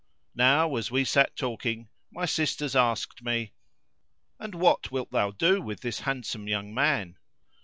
Now as we sat talking, my sisters asked me, "And what wilt thou do with this handsome young man?"